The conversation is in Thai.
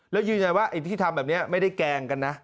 แล้วยืนยันว่าไอ้ที่ทำแบบนี้ไม่ได้แกล้งกันนะ